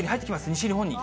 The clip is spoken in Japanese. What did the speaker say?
西日本に。